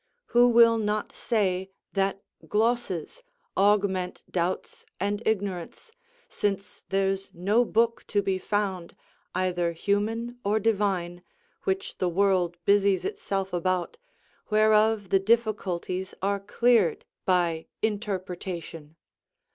Who will not say that glosses augment doubts and ignorance, since there's no book to be found, either human or divine, which the world busies itself about, whereof the difficulties are cleared by interpretation.